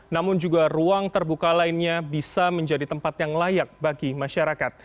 namun juga ruang terbuka lainnya bisa menjadi tempat yang layak bagi masyarakat